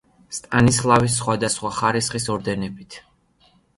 სტანისლავის სხვადასხვა ხარისხის ორდენებით.